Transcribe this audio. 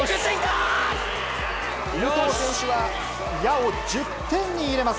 武藤選手は、矢を１０点に入れます。